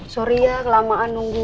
sorry ya kelamaan nunggu